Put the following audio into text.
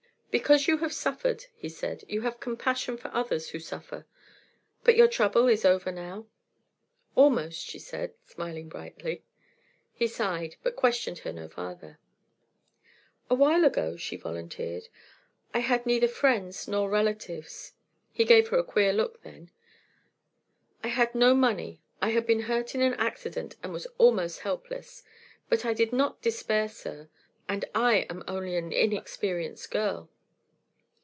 "Because you have suffered," he said, "you have compassion for others who suffer. But your trouble is over now?" "Almost," she said, smiling brightly. He sighed, but questioned her no farther. "A while ago," she volunteered, "I had neither friends nor relatives." He gave her a queer look, then. "I had no money. I had been hurt in an accident and was almost helpless. But I did not despair, sir and I am only an inexperienced girl.